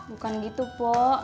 bukan gitu pok